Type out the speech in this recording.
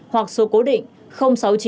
hoặc số cố định